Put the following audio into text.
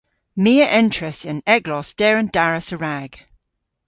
My a entras an eglos der an daras a-rag.